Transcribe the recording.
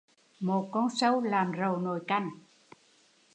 Một con sâu làm rầu nồi canh